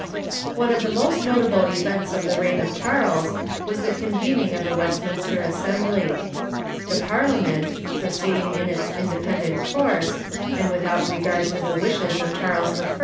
One of the most notable events of the reign of Charles was the convening of the Westminster Assembl}^ The Parlia ment, proceeding in its independent course, and ^""A^selTbiy" ^^'it^o^^t regard to the wishes of Charles I.